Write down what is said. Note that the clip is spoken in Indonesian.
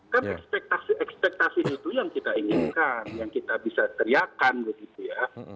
kan ekspektasi ekspektasi itu yang kita inginkan yang kita bisa teriakan begitu ya